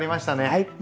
はい。